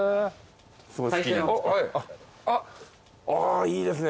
あいいですね。